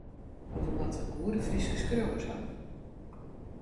Mar wy moatte goede Fryske skriuwers hawwe.